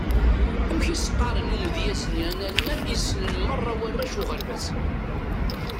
Amek i s-qqaren i umedyaz-nni analman i ssnen merra warrac uɣerbaz?